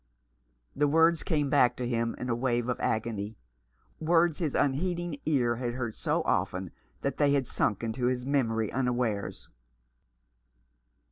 The words came back to him in a wave of agony, words his unheeding ear had heard so often that they had sunk into his memory unawares.